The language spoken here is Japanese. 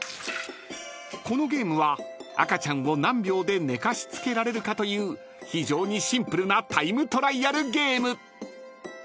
［このゲームは赤ちゃんを何秒で寝かしつけられるかという非常にシンプルなタイムトライアルゲーム］